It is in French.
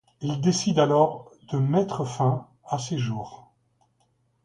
Il décide alors de mettre fin à ses jours.